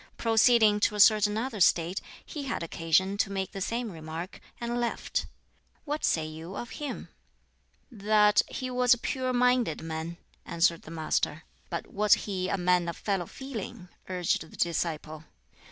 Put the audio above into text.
Proceeding to a certain other State, he had occasion to make the same remark, and left. What say you of him?" "That he was a pure minded man," answered the Master. "But was he a man of fellow feeling?" urged the disciple.